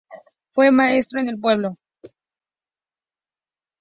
Fue maestro en el pueblo.